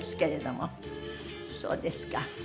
そうですか。